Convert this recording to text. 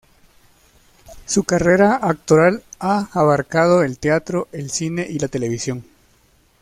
Su carrera actoral ha abarcado el teatro, el cine y la televisión.